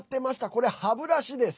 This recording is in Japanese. これ、歯ブラシです。